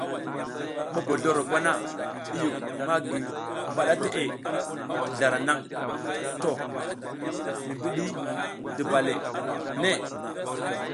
Mobozloro kwana i yuk magi mbaɗa teʼe ti zlara naŋ to i mbiɗi duba le ne.